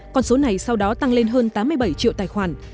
còn số này sau đó tăng lên hơn tám mươi bảy triệu tài khoản